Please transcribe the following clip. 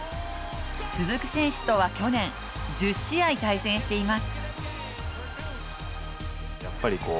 鈴木選手とは去年、１０試合対戦しています。